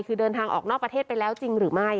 คือเดินทางออกนอกประเทศไปแล้วจริงหรือไม่